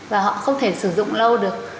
và họ không thể sử dụng lâu được